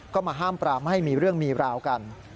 ก็มาห้ามปรามให้มีเรื่องมีราวกัน